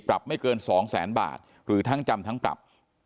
ปรับไม่เกิน๒๐๐๐๐๐บาทหรือทั้งจำทั้งปรับ